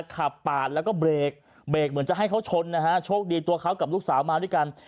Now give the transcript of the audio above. ขับปาดแล้วก็เบรกเบรกเหมือนจะให้เขาชนนะฮะโชคดีตัวเขากับลูกสาวมาด้วยกัน